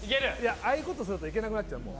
ああいうことすると言えなくなっちゃう。